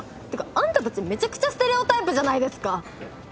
ってかあんたたちめちゃくちゃステレオタイプじゃないですか。